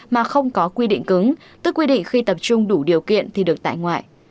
mà không có quy định cứng tức quy định khi tập trung đủ điều kiện thì được tại ngoại